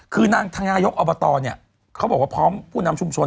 คือนางทางนายกอบตเนี่ยเขาบอกว่าพร้อมผู้นำชุมชน